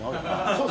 そう？